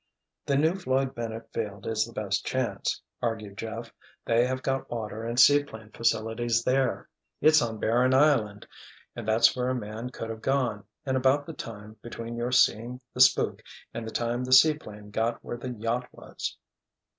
"The new Floyd Bennett field is the best chance," argued Jeff. "They have got water and seaplane facilities there. It's on Barren Island, and that's where a man could have gone, in about the time between your seeing the 'spook' and the time the seaplane got where the yacht was."